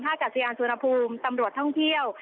ถ้ากัศยานสุวรรณภูมิตำรวจท่องเที่ยว